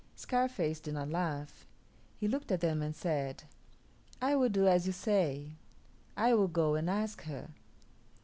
Scarface did not laugh. He looked at them and said, "I will do as you say; I will go and ask her."